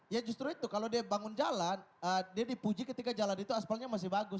ya justru itu kalau dia bangun jalan dia dipuji ketika jalan itu aspalnya masih bagus